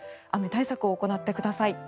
対策を行ってください。